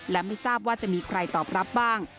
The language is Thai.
และไม่ทราบว่าจะมีใครตอบรับบ้าง